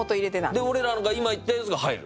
で俺らが今言ったやつが入るの？